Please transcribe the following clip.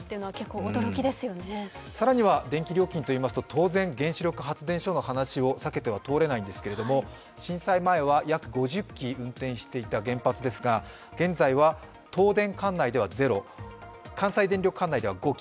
更には電気料金といいますと当然、電子力発電所の話を避けては通れないんですけど震災前は約５０基運転していた原発ですが、現在は東電管内ではゼロ、関西電力管内では５基、